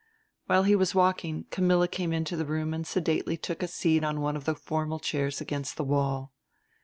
While he was walking Camilla came into the room and sedately took a seat on one of the formal chairs against the wall.